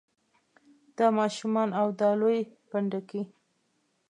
دا ماشومان او دا لوی پنډکی.